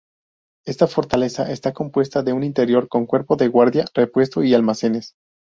Esta fortaleza está compuesta de un interior con cuerpo de guardia, repuesto y almacenes.